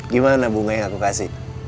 gimana bunga yang aku kasih